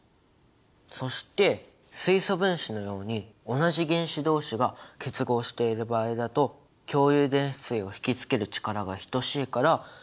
そして水素分子のように同じ原子どうしが結合している場合だと共有電子対を引き付ける力が等しいから結合の極性は生じない。